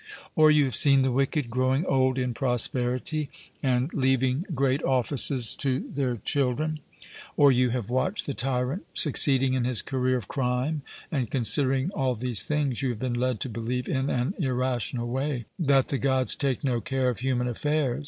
Or you have seen the wicked growing old in prosperity, and leaving great offices to their children; or you have watched the tyrant succeeding in his career of crime; and considering all these things you have been led to believe in an irrational way that the Gods take no care of human affairs.